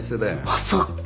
あっそっか。